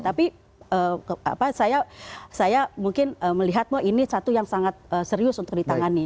tapi saya mungkin melihat ini satu yang sangat serius untuk ditangani